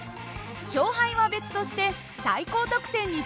勝敗は別として最高得点に挑戦します。